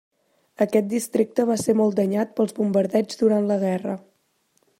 Aquest districte va ser molt danyat pels bombardeigs durant la guerra.